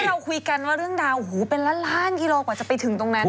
เราคุยกันว่าเรื่องราวโอ้โหเป็นล้านล้านกิโลกว่าจะไปถึงตรงนั้น